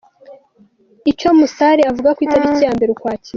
Icyo Musare avuga ku itariki ya mbere Ukwakira